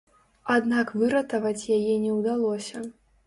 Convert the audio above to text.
Аднак выратаваць яе не ўдалося.